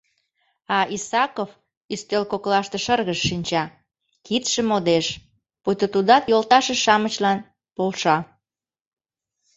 А Исаков ӱстел коклаште шыргыж шинча, кидше модеш, пуйто тудат йолташыж-шамычлан полша.